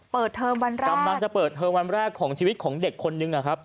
เปิดเทอมวันแรกจะเปิดเทอมวันแรกของชีวิตของเด็กคนนึง